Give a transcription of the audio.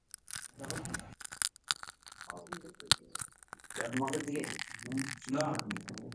لماذا لم تقم بعمل قائمة للركاب؟